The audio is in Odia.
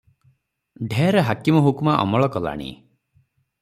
ଢେର ହାକିମ ହୁକୁମା ଅମଳ କଲାଣି ।